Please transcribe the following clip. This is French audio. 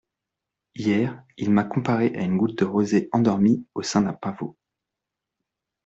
Hier, il m'a comparée à une goutte de rosée endormie au sein d'un pavot.